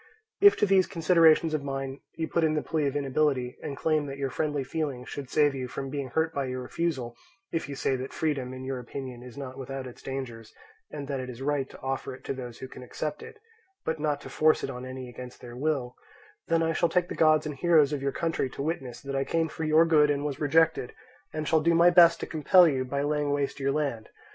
"If to these considerations of mine you put in the plea of inability, and claim that your friendly feeling should save you from being hurt by your refusal; if you say that freedom, in your opinion, is not without its dangers, and that it is right to offer it to those who can accept it, but not to force it on any against their will, then I shall take the gods and heroes of your country to witness that I came for your good and was rejected, and shall do my best to compel you by laying waste your land.